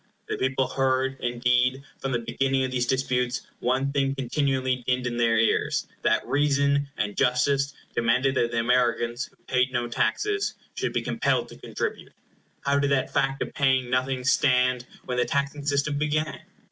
The people heard, indeed, from the beginning of these disputes, one thing continually dinned in their ears, that reason and justice demanded that the Americans, who paid no taxes, should be compelled to contribute. How did that fact of their paying nothing stand when the taxing system began?